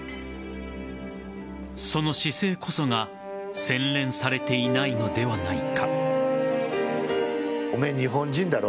その姿勢こそが洗練されていないのではないか。